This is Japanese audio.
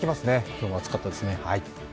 今日も暑かったですね。